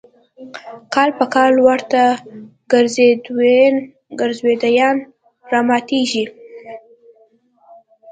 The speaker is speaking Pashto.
کال په کال ورته ګرځندویان راماتېږي.